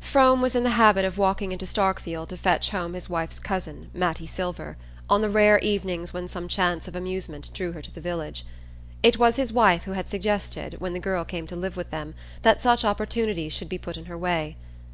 Frome was in the habit of walking into Starkfield to fetch home his wife's cousin, Mattie Silver, on the rare evenings when some chance of amusement drew her to the village. It was his wife who had suggested, when the girl came to live with them, that such opportunities should be put in her way.